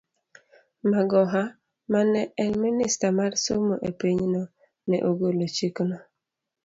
Magoha, ma ne en Minista mar somo e pinyno, ne ogolo chikno.